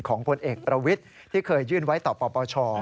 ผลเอกประวิทย์ที่เคยยื่นไว้ต่อปปช